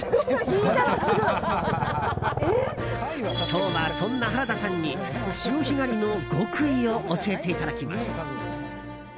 今日は、そんな原田さんに潮干狩りの極意を教えていただきます。